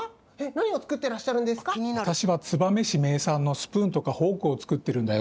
わたしは燕市めいさんのスプーンとかフォークをつくってるんだよ。